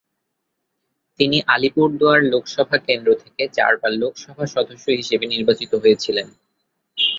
তিনি আলিপুরদুয়ার লোকসভা কেন্দ্র থেকে চারবার লোকসভা সদস্য হিসেবে নির্বাচিত হয়েছিলেন।